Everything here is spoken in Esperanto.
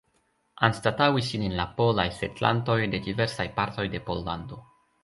Anstataŭis ilin la polaj setlantoj de diversaj partoj de Pollando.